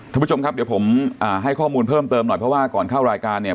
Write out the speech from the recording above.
ท่านผู้ชมครับเดี๋ยวผมให้ข้อมูลเพิ่มเติมหน่อยเพราะว่าก่อนเข้ารายการเนี่ย